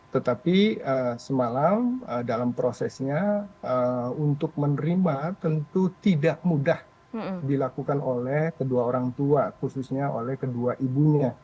tetapi semalam dalam prosesnya untuk menerima tentu tidak mudah dilakukan oleh kedua orang tua khususnya oleh kedua ibunya